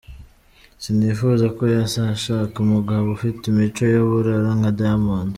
Sinifuza ko yazashaka umugabo ufite imico y’uburara nka Diamond”.